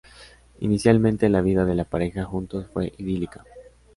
Inicialmente, la vida de la pareja juntos fue idílica.